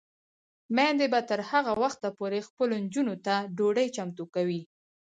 میندې به تر هغه وخته پورې خپلو نجونو ته ډوډۍ چمتو کوي.